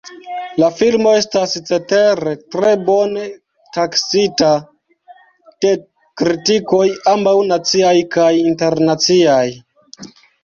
La filmo estas cetere tre bone taksita de kritikoj ambaŭ naciaj kaj internaciaj.